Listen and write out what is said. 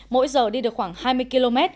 mỗi giờ đi được khoảng hai mươi km